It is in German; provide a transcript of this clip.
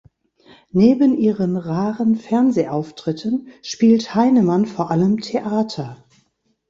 Neben ihren raren Fernsehauftritten spielt Heinemann vor allem Theater.